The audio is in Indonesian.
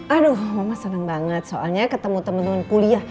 aduh mama senang banget soalnya ketemu temen temen kuliah